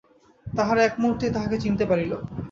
তাহারা এক মুহূর্তেই তাহাকে চিনিতে পারিল।